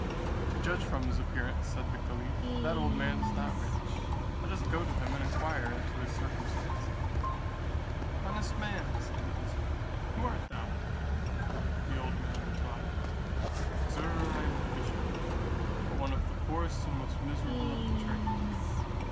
"To judge from his appearance," said the caliph, "that old man is not rich; let us go to him and inquire into his circumstances." "Honest man," said the vizier, "who art thou?" The old man replied, "Sir, I am a fisher, but one of the poorest and most miserable of the trade.